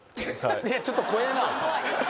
ちょっと怖えな。